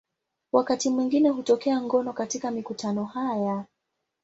Wakati mwingine hutokea ngono katika mikutano haya.